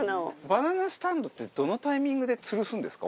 バナナスタンドってどのタイミングで吊るすんですか？